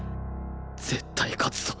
絶対勝つぞ。